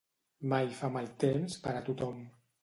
Mai fa mal temps per a tothom.